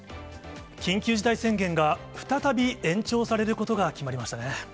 緊急事態宣言が再び延長されることが決まりましたね。